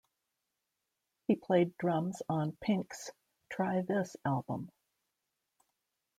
He played drums on P!nk's Try This album.